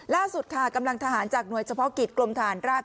ล่าสุดกำลังทหารจากหน่วยเฉพาะกิจกลมท๑๙๔๔